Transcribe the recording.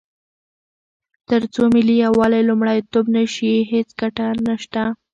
تر څو ملي یووالی لومړیتوب نه شي، هیڅ ګټه نشته.